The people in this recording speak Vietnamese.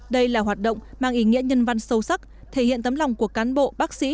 đây là hoạt động mang ý nghĩa nhân văn sâu sắc thể hiện tấm lòng của cán bộ bác sĩ